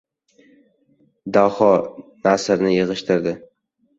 Daho nasrni yig‘ishtirdi.